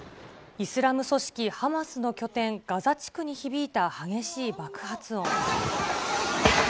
イスラム組織ハマスの拠点、ガザ地区に響いた激しい爆発音。